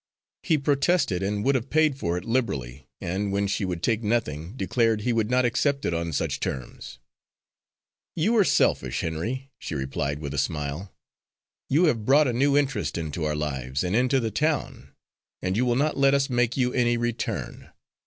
He protested, and would have paid for it liberally, and, when she would take nothing, declared he would not accept it on such terms. "You are selfish, Henry," she replied, with a smile. "You have brought a new interest into our lives, and into the town, and you will not let us make you any return."